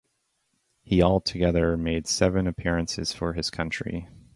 He altogether made seven appearances for his country.